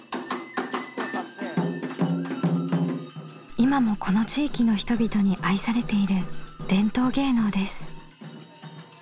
今もこの地域の人々に愛されている伝統芸能です。